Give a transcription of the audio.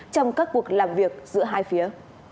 trong các cuộc làm việc giữa hai phía